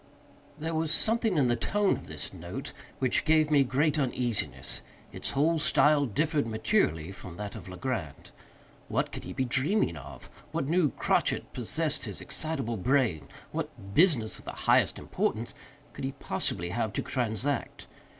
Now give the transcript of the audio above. There was something in the tone of this note which gave me great uneasiness. Its whole style differed materially from that of Legrand. What could he be dreaming of? What new crotchet possessed his excitable brain? What "business of the highest importance" could he possibly have to transact?